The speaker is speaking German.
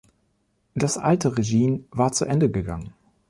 Das alte Regine war zu Ende gegangen.